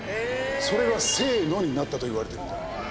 それが「せえの」になったと言われているんだ。